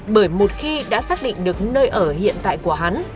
bởi một khi đã xác định được nơi ở hiện tại của hắn